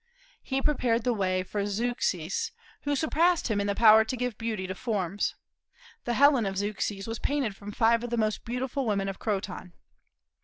He prepared the way for Zeuxis, who surpassed him in the power to give beauty to forms. The Helen of Zeuxis was painted from five of the most beautiful women of Croton.